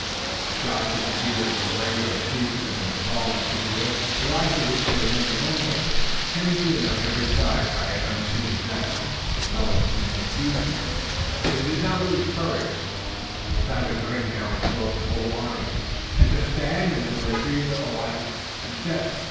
The shouts and cheers of the regulars ceased. In an appalling situation, the like of which they had never known before, hemmed in on every side by an unseen death, they fell into confusion, but they did not lose courage. The savage ring now enclosed the whole army, and to stand and to retreat alike meant death.